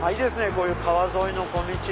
こういう川沿いの小道。